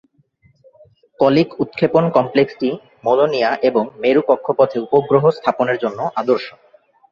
Colic উৎক্ষেপণ কমপ্লেক্সটি Molniya এবং মেরু কক্ষপথে উপগ্রহ স্থাপনের জন্য আদর্শ।